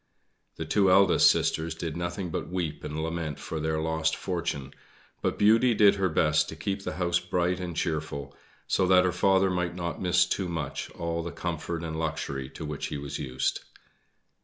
The two eldest sisters did nothing but weep and lament for their lost fortune, but Beauty did her best to keep the house bright and cheerful, so that her father might not miss too much all the comfort and luxury to which he was used.